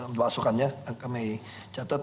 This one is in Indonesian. masukannya kami catat